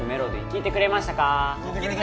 聴いてくれましたか？